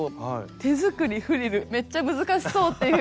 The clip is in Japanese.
手作りフリルめっちゃ難しそう！